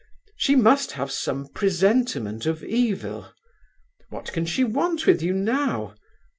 She must have some presentiment of evil. What can she want with you now?